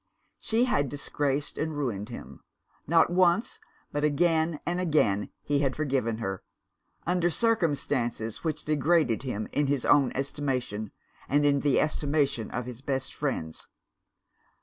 She had disgraced and ruined him. Not once, but again and again he had forgiven her, under circumstances which degraded him in his own estimation, and in the estimation of his best friends.